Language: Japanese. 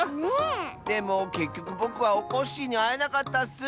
でもけっきょくぼくはおこっしぃにあえなかったッス！